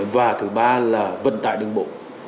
và thứ ba là vận tải đường bộ